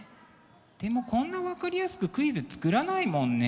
でもこんな分かりやすくクイズ作らないもんね。